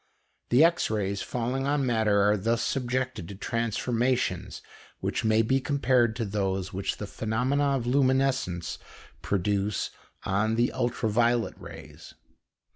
The X rays falling on matter are thus subjected to transformations which may be compared to those which the phenomena of luminescence produce on the ultra violet rays.